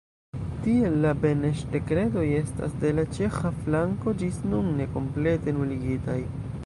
Tiel, la Beneŝ-dekretoj estas de la ĉeĥa flanko ĝis nun ne komplete nuligitaj.